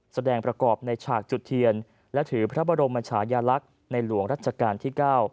แสดงประกอบในฉากจุดเทียนและถือพระบรมชายาลักษณ์ในหลวงรัชกาลที่๙